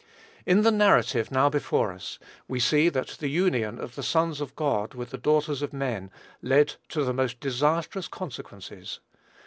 In the narrative now before us, we see that the union of the sons of God with the daughters of men led to the most disastrous consequences.